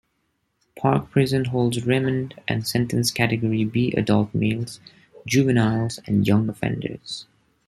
Parc Prison holds Remand and Sentenced Category B Adult males, juveniles and young offenders.